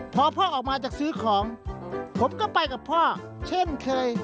พอพ่อออกมาจากซื้อของผมก็ไปกับพ่อเช่นเคย